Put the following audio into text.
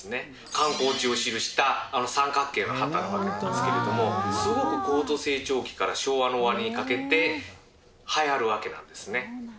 観光地を記したあの三角形の旗なんですけれども、すごく高度成長期から昭和の終わりにかけて、はやるわけなんですね。